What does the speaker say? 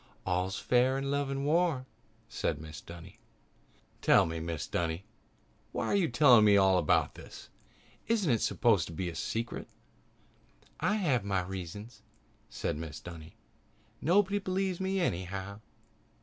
"All's fair in love and war," said Mrs. Dunny. "Tell me, Mrs. Dunny. Why are you telling me about all this? Isn't it supposed to be a secret?" "I have my reasons," said Mrs. Dunny. "Nobody believes me anyhow."